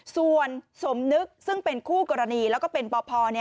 ส่วนสมนึกซึ่งเป็นคู่กรณีแล้วก็เป็นปพ